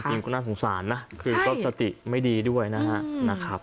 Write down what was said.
จริงก็น่าสงสารนะคือก็สติไม่ดีด้วยนะครับ